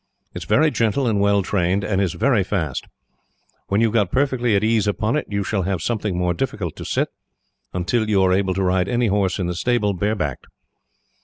"It is very gentle and well trained, and is very fast. When you have got perfectly at ease upon it, you shall have something more difficult to sit, until you are able to ride any horse in the stable, bare backed.